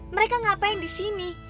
mereka ngapain disini